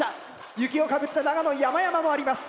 雪をかぶった長野の山々もあります。